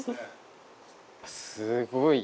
すごい。